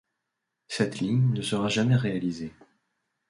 Cette ligne ne sera jamais réalisée.